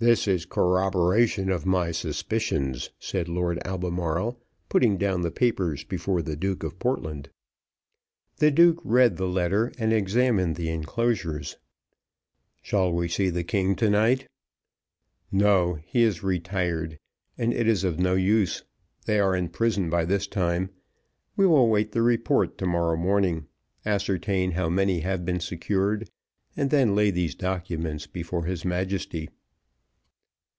"This is corroborative of my suspicions," said Lord Albemarle, putting down the papers before the Duke of Portland. The duke read the letter and examined the enclosures. "Shall we see the king to night?" "No, he is retired, and it is of no use, they are in prison by this time; we will wait the report to morrow morning ascertain how many have been secured and then lay these documents before his Majesty."